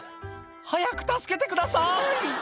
「早く助けてください」